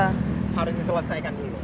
harus diselesaikan dulu